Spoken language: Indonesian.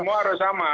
semua harus sama